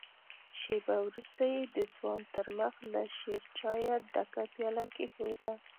شېبه وروسته يې د ځوان تر مخ له شيرچايه ډکه پياله کېښوده.